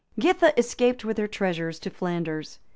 ] Githa escaped with her treasures to Flanders.